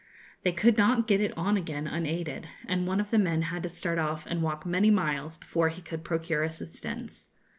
They could not get it on again unaided, and one of the men had to start off and walk many miles before he could procure assistance.